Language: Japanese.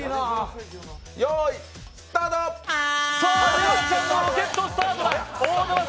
沼ちゃん、ロケットスタートだ。